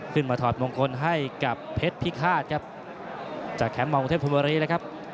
ขึ้นมาถอดมงคลให้กับเพชรพิฆาตครับจากแคมป์มองเทพภูมิวารีนะครับ